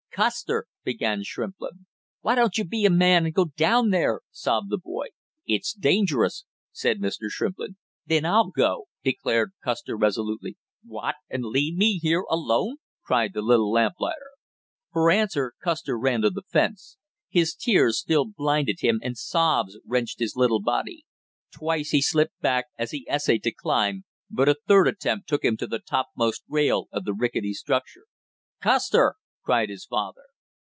"Custer " began Shrimplin. "Why don't you be a man and go down there?" sobbed the boy. "It's dangerous!" said Mr. Shrimplin. "Then I'll go!" declared Custer resolutely. "What and leave me here alone?" cried the little lamplighter. For answer Custer ran to the fence; his tears still blinded him and sobs wrenched his little body. Twice he slipped back as he essayed to climb, but a third attempt took him to the topmost rail of the rickety structure. "Custer!" called his father.